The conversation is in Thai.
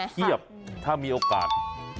เป็นเชียบถ้ามีโอกาส